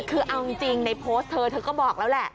คือเอาจริงในโพสต์เธอเธอก็บอกแล้วแหละ